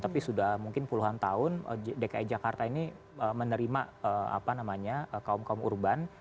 tapi sudah mungkin puluhan tahun dki jakarta ini menerima kaum kaum urban